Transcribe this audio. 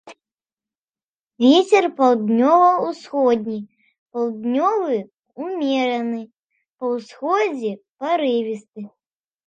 Вецер паўднёва-ўсходні, паўднёвы ўмераны, па ўсходзе парывісты.